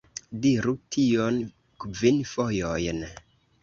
Diru tion kvin fojojn